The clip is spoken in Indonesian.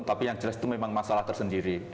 tapi yang jelas itu memang masalah tersendiri